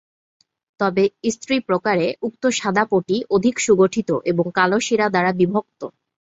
তবে স্ত্রী প্রকারে উক্ত সাদা পটি অধিক সুগঠিত এবং কালো শিরা দ্বারা বিভক্ত।